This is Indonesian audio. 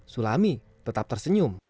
sulami tetap tersenyum